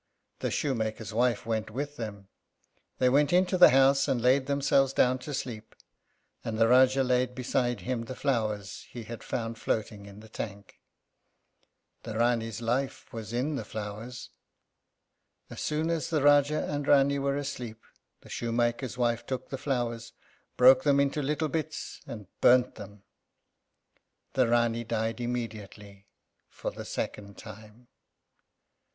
The shoemaker's wife went with them. They went into the house and laid themselves down to sleep, and the Rájá laid beside him the flowers he had found floating in the tank. The Rání's life was in the flowers. As soon as the Rájá and Rání were asleep, the shoemaker's wife took the flowers, broke them into little bits, and burnt them. The Rání died immediately, for the second time.